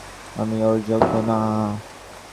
আমি ওঁর যোগ্য না।